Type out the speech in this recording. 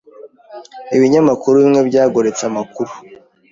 Ibinyamakuru bimwe byagoretse amakuru.